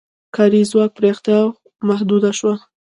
کاري ځواک پراختیا محدوده شوه.